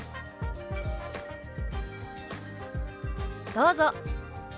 どうぞ！